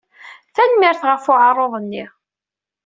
Tanemmirt ɣef uɛaruḍ-nni.